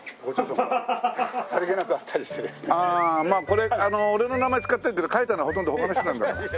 これ俺の名前使ってるけど書いたのはほとんど他の人なんだ。